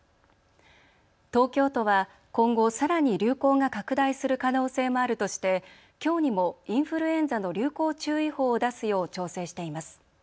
東京都は今後、さらに流行が拡大する可能性もあるとしてきょうにもインフルエンザの流行注意報を出すよう調整しています。